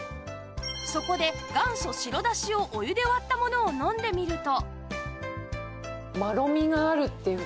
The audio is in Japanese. そこで元祖白だしをお湯で割ったものを飲んでみると